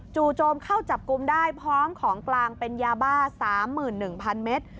จู่โจมเข้าจับกลุ่มได้พร้อมของกลางเป็นยาบ้า๓๑๐๐เมตร